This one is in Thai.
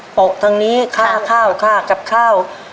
ปลลงทางนี้ค่ากล้าวกล้ากับข้าว